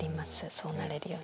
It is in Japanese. そうなれるように。